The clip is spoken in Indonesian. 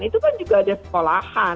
itu kan juga ada sekolahan